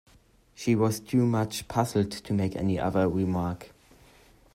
She was too much puzzled to make any other remark.